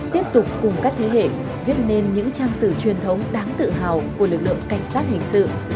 tiếp tục cùng các thế hệ viết nên những trang sử truyền thống đáng tự hào của lực lượng cảnh sát hình sự